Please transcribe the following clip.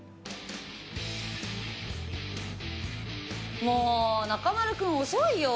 もう、中丸君遅いよ。